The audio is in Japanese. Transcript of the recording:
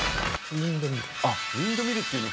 ウインドミルっていうの？